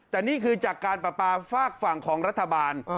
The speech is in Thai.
แต่นี่คือจากการประปาฝากฝั่งของรัฐบาล